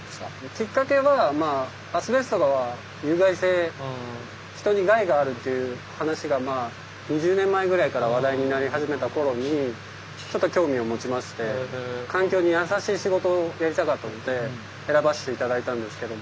きっかけはアスベストは有害性人に害があるっていう話が２０年前ぐらいから話題になり始めた頃にちょっと興味を持ちましてので選ばして頂いたんですけども。